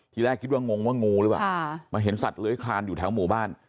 ที่แรกกิดว่างงว่างูเลยวะค่ะมาเห็นสัตว์เละยคาลอยู่แถวหมู่บ้าน